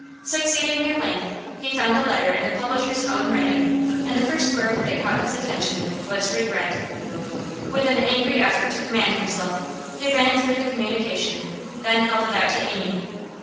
Succeeding at length, he found a letter in the publisher's own writing, and the first word that caught his attention was 'regret.' With an angry effort to command himself he ran through the communication, then held it out to Amy.